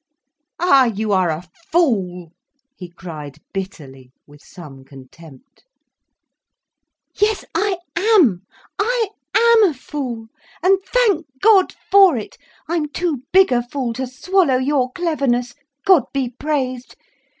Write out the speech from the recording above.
"Ah, you are a fool," he cried, bitterly, with some contempt. "Yes, I am. I am a fool. And thank God for it. I'm too big a fool to swallow your cleverness. God be praised.